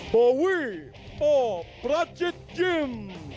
แต่วิบอลประจิตยิม